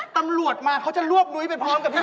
ตำรวจมาเขาจะมหุ้นหนุ้ยเป็นพร้อมกับพี่